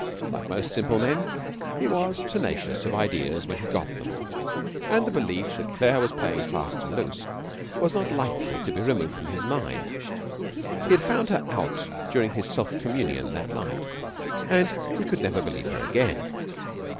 Like most simple men, he was tenacious of ideas when he got them, and the belief that Claire was playing fast and loose was not lightly to be removed from his mind. He had found her out during his self communion that night, and he could never believe her again.